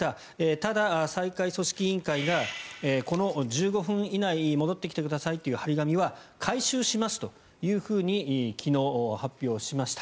ただ、大会組織委員会がこの１５分以内に戻ってきてくださいという貼り紙は回収しますというふうに昨日、発表しました。